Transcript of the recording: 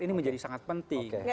ini menjadi sangat penting